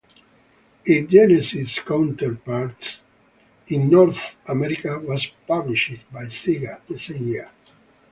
Its Genesis counterpart in North America was published by Sega the same year.